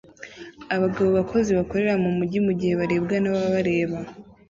Abagabo bakozi bakorera mumujyi mugihe barebwa nababareba